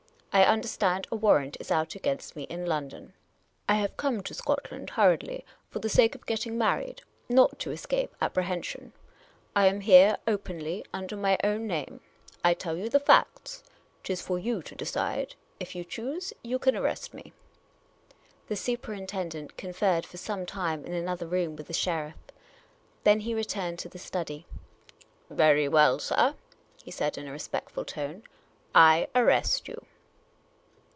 I understand a warrant is out against me in London. I 3i6 Miss Caylcy's Adventures have come to Scotland, hurriedly, for the sake of getting married, not to escape apprehension. I am here, openly, under my own name. I tell you the facts : 't is for you to decide ; if you choose, you can arre.st me." The superinten dent conferred for some time in an other room with the sheriff. Then he returned to the study. "Very well, sir," he said, in a respect ful tone, '' I arrest you."